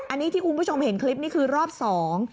อันนี้ที่คุณผู้ชมเห็นคลิปนี้คือรอบสอง